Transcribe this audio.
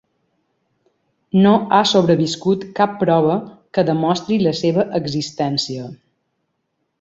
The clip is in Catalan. No ha sobreviscut cap prova que demostri la seva existència.